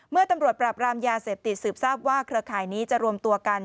เมื่อตำรวจปราบรามยาเสพติดสืบทราบว่าเครือข่ายนี้จะรวมตัวกัน